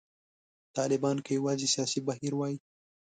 طالبان که یوازې سیاسي بهیر وای.